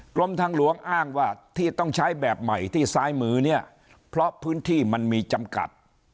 กรมทางหลวงอ้างว่าที่ต้องใช้แบบใหม่ที่ซ้ายมือเนี่ยเพราะพื้นที่มันมีจำกัด